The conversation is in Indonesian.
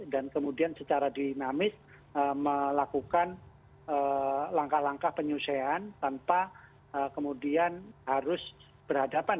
dan kemudian secara dinamis melakukan langkah langkah penyusahan tanpa kemudian harus berhadapan